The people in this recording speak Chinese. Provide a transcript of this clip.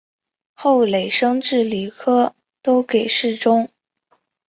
后累升至礼科都给事中。